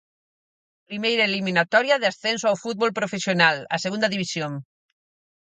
Primeira eliminatoria de ascenso ao fútbol profesional, a Segunda División.